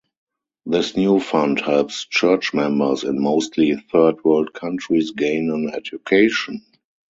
This new fund helps church members in mostly third-world countries gain an education.